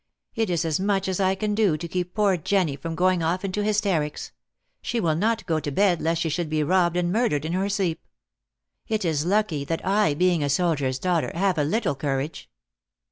It is as much as I can do to keep poor Jenny from going off into hysterics; she will not go to bed lest she should be robbed and murdered in her sleep. It is lucky that I, being a soldier s daughter, have a lit tle courage."